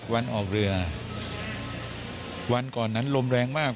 วันออกเรือวันก่อนนั้นลมแรงมาก